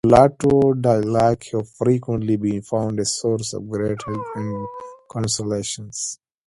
Plato's Dialogues have frequently been found a source of great help and consolation.